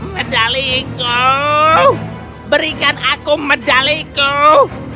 medaliku berikan aku medaliku